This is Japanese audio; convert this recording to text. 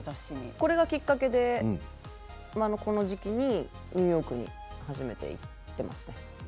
これがきっかけでこの時期にニューヨークに初めて行ったんです。